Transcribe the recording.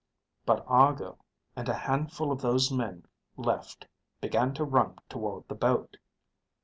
But Argo and a handful of those men left began to run toward the boat.